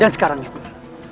dan sekarang juga